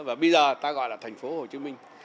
và bây giờ ta gọi là thành phố hồ chí minh